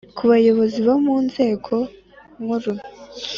ku bayobozi bo mu nzego nkuru